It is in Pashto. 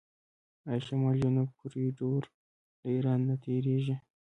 آیا شمال جنوب کوریډور له ایران نه تیریږي؟